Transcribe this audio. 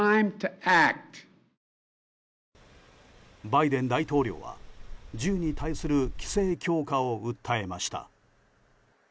バイデン大統領は銃に対する規制強化を訴えました。